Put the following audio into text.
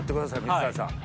水谷さん。